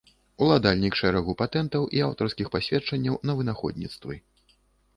Уладальнік шэрагу патэнтаў і аўтарскіх пасведчанняў на вынаходніцтвы.